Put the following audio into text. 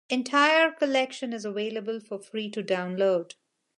The entire collection is available for free to download.